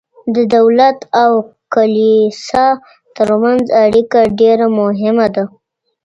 د دولت او کلیسا ترمنځ اړیکه ډیره مهمه ده.